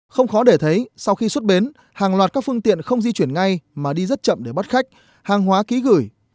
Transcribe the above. không khó để thấy sau khi xuất bến hàng loạt các phương tiện không di chuyển ngay mà đi rất chậm để bắt khách hàng hóa ký gửi